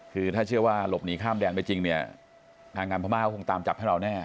คือถ้าเชื่อว่าหลบหนีข้ามแดนไปจริงเนี่ยทางงานพม่าก็คงตามจับให้เราแน่